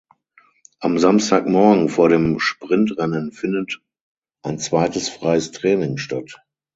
Am Samstagmorgen vor dem Sprintrennen findet ein zweites freies Training statt.